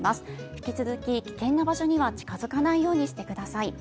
引き続き危険な場所には近づかないでください。